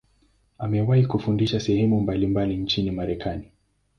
Amewahi kufundisha sehemu mbalimbali nchini Marekani.